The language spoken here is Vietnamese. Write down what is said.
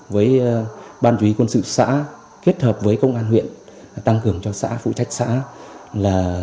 với ban chú ý quân sự xã kết hợp với công an huyện tăng cường cho xã phụ trách xã